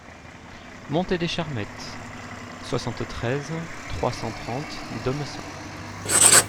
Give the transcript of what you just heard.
Montée des Charmettes, soixante-treize, trois cent trente Domessin